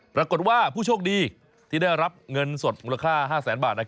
ปรากฏว่าผู้โชคดีที่ได้รับเงินสดมูลค่า๕แสนบาท